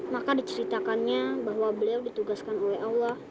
maka diceritakannya bahwa beliau ditugaskan oleh allah